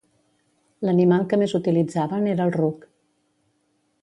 L'animal que més utilitzaven era el ruc.